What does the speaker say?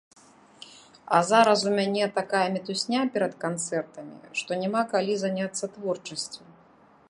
А зараз у мяне такая мітусня перад канцэртамі, што няма калі заняцца творчасцю.